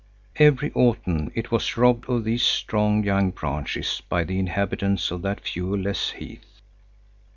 Every autumn it was robbed of these strong, young branches by the inhabitants of that fuel less heath.